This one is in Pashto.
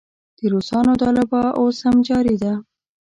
د روسانو دا لوبه اوس هم جاري ده.